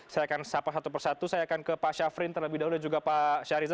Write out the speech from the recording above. saya akan sapa satu persatu saya akan ke pak syafrin terlebih dahulu dan juga pak syarizal